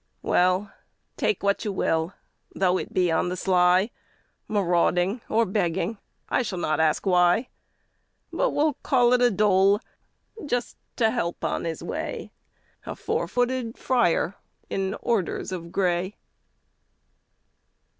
Well, take what you will, though it be on the sly, Marauding or begging, I shall not ask why, But will call it a dole, just to help on his way A four footed friar in orders of gray!